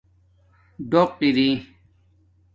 ڈݸق اری